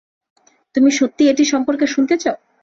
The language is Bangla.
তুমি সত্যিই এটি সম্পর্কে শুনতে চাও।